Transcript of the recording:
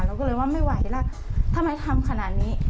เราก็เลยว่าไม่ไหวแล้วทำไมทำขนาดนี้